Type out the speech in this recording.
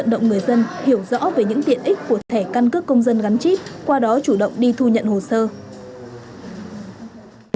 động người dân hiểu rõ về những tiện ích của thẻ căn cước công dân gắn chip qua đó chủ động đi thu nhận hồ sơ